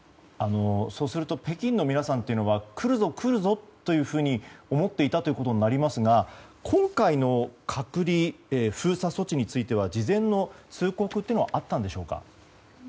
そうすると北京の皆さんというのは来るぞ来るぞと思っていたということになりますが今回の隔離や封鎖措置については事前の通告はあったんでしょうか。